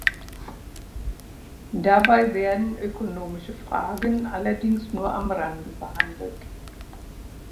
Dabei werden ökonomische Fragen allerdings nur am Rande behandelt.